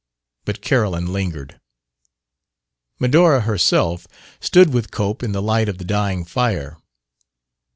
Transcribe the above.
But Carolyn lingered. Medora herself stood with Cope in the light of the dying fire.